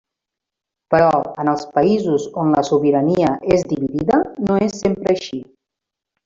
Però, en els països on la sobirania és dividida, no és sempre així.